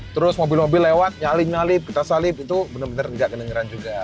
terus mobil mobil lewat nyalip nyalip kita salib itu benar benar nggak kedengeran juga